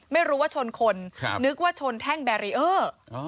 ไม่รู้ว่าชนคนนึกว่าชนแท่งแบรีเออร์